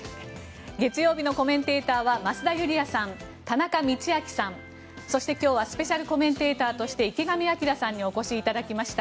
月曜日のコメンテーターは増田ユリヤさん、田中道昭さんそして今日はスペシャルコメンテーターとして池上彰さんにお越しいただきました。